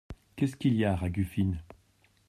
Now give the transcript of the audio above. Qu’est-ce qu’il y a, Ragufine ?…